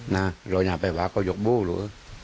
เราอย่าไปไหว้ก็ยกบูลวะ